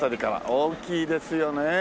大きいですよね。